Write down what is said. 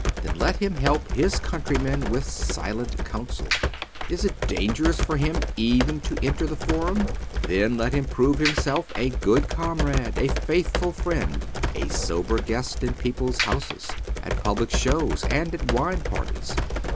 then let him help his countrymen ■with silent counsel. Is it dangerous for him even to enter tlie forum ? then let him prove himself a good comrade, a faithful friend, a sober guest in people's houses, at public shows, and at wine parties.